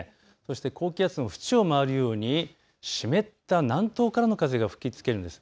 高気圧の縁を回るように湿った南東からの風が吹きつけるんです。